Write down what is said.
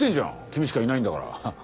君しかいないんだから。